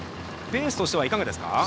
ペースとしてはいかがですか？